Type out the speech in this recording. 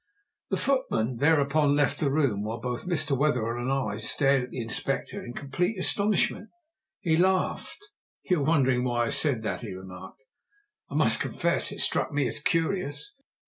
The footman thereupon left the room, while both Mr. Wetherell and I stared at the Inspector in complete astonishment. He laughed. "You are wondering why I said that," he remarked. "I must confess it struck me as curious."